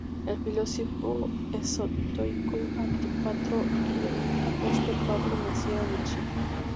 El filósofo estoico Antípatro y el apóstol Pablo nacieron allí.